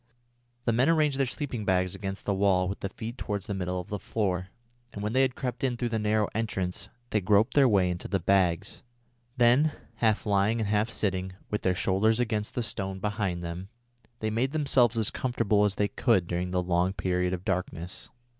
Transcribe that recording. The men arranged their sleeping bags against the walls with the feet towards the middle of the floor, and when they had crept in through the narrow entrance, they groped their way into the bags. Then, half lying and half sitting, with their shoulders against the stones behind them, they made themselves as comfortable as they could during the long period of darkness.